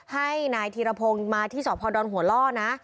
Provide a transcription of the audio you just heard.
ให้นายธิระพงมาที่ชอบพอร์ดอนหัวล่อนะ